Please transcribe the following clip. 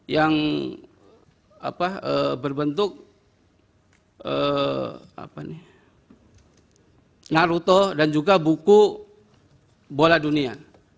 yang berbentuk naruto dan juga buku bola dunia